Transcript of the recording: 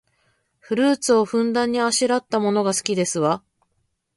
フルーツをふんだんにあしらったものが好きですわ